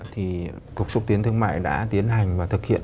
thì cục xúc tiến thương mại đã tiến hành và thực hiện